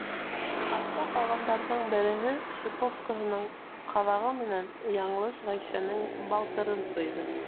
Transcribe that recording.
Артта ҡалғандарҙың береһе шиповкаһының ҡаҙағы менән яңылыш Ғәйшәнең балтырын сыйҙы.